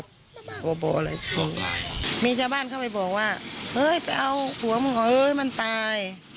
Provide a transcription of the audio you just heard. บ่ออะไรมีจ้าบ้านเข้าไปบอกว่าเฮ้ยไปเอาหัวมันมันตาย